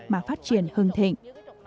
mà phát triển hừng thịnh